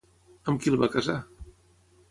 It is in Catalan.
Amb qui el va casar?